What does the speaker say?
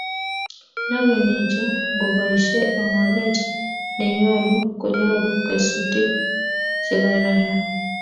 Robinichu ngoboisie eng oret ne nyolu konyoru kesutik che kororon